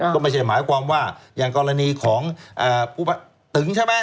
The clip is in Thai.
ก็ไม่ใช่หมายความว่าอย่างกรณีของผู้ตึงใช่ไหม